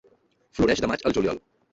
Floreix de maig al juliol.